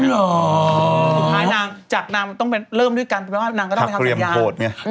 สุดท้ายนางจากนางต้องเป็นเริ่มด้วยกันถึงนางก็ต้องไปทำสัญญา